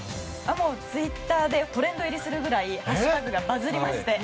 ツイッターでトレンド入りするぐらいハッシュタグがバズりまして。